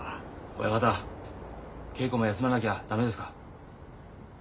親方稽古も休まなきゃ駄目ですか。